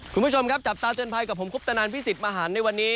คุณผู้ชมครับจับตาเตือนภัยกับผมคุปตนันพิสิทธิ์มหันในวันนี้